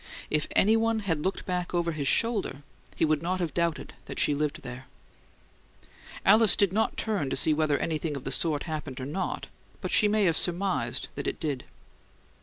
If any one had looked back over his shoulder he would not have doubted that she lived there. Alice did not turn to see whether anything of the sort happened or not, but she may have surmised that it did.